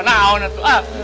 bawa bawa itu ah